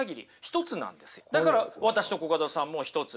だから私とコカドさんもひとつ。